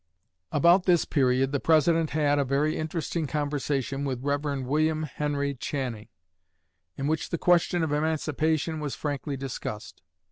About this period the President had a very interesting conversation with Rev. William Henry Channing, in which the question of emancipation was frankly discussed.